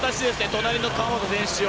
隣の川本選手